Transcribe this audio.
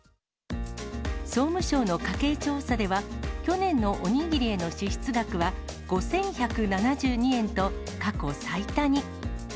総務省の家計調査では、去年のおにぎりへの支出額は５１７２円と過去最多に。